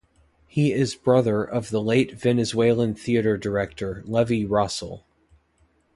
He is brother of the late Venezuelan theater director Levy Rossell.